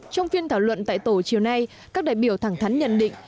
trong phiên thảo luận tại tổ chiều nay các đại biểu thẳng thắn nhận định